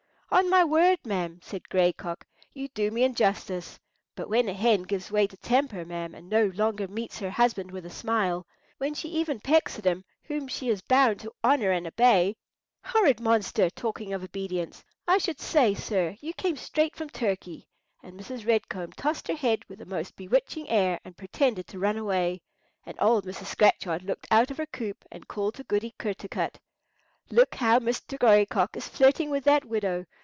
"On my word, ma'am," said Gray Cock, "you do me injustice. But when a hen gives way to temper, ma'am, and no longer meets her husband with a smile—when she even pecks at him whom she is bound to honour and obey—" "Horrid monster! talking of obedience! I should say, sir, you came straight from Turkey." And Mrs. Red Comb tossed her head with a most bewitching air, and pretended to run away; and old Mrs. Scratchard looked out of her coop and called to Goody Kertarkut,— "Look how Mr. Gray Cock is flirting with that widow.